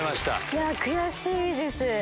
いや悔しいです。